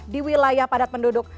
di wilayah padat penduduk